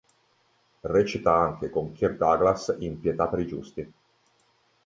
Recita anche con Kirk Douglas in "Pietà per i giusti".